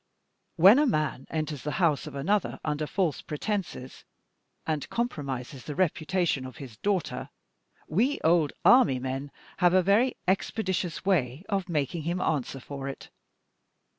When a man enters the house of another under false pretenses, and compromises the reputation of his daughter, we old army men have a very expeditious way of making him answer for it.